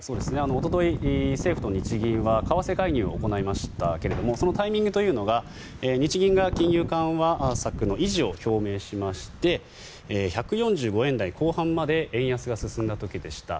一昨日、政府と日銀は為替介入を行いましたがそのタイミングというのが日銀が金融緩和策の維持を表明しまして１４５円台後半まで円安が進んだ時でした。